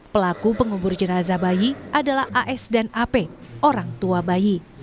pelaku pengubur jenazah bayi adalah as dan ap orang tua bayi